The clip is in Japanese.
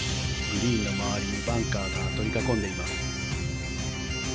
グリーンの周りをバンカーが取り囲んでいます。